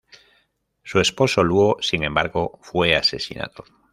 Su esposo Luo, sin embargo, fue asesinado.